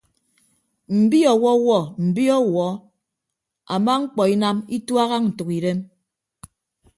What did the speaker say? Mbi ọwọwuọ mbi ọwuọ ama mkpọ inam ituaha ntʌkidem.